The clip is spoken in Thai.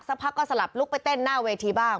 พักก็สลับลุกไปเต้นหน้าเวทีบ้าง